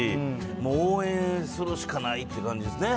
もう応援するしかないっていう感じですね。